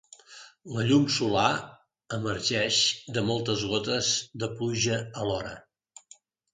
La llum solar emergeix de moltes gotes de pluja alhora.